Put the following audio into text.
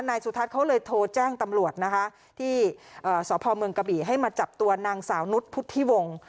นายสุทัศน์เขาเลยโทรแจ้งตำรวจนะคะที่สพเมืองกะบี่ให้มาจับตัวนางสาวนุษย์พุทธิวงศ์